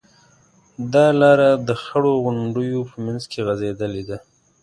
دا لاره د خړو غونډیو په منځ کې غځېدلې ده.